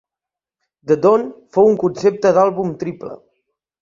"The Dawn" fou un concepte d'àlbum triple.